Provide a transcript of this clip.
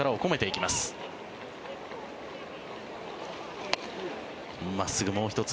真っすぐ、もう１つ。